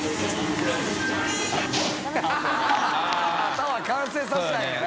タワー完成させたいんやな。